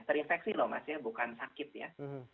terinfeksi loh mas ya bukan sakit ya